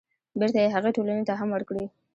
بېرته يې هغې ټولنې ته هم ورکړي.